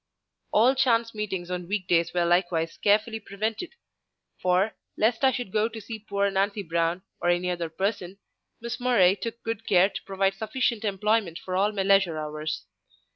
All chance meetings on week days were likewise carefully prevented; for, lest I should go to see poor Nancy Brown or any other person, Miss Murray took good care to provide sufficient employment for all my leisure hours.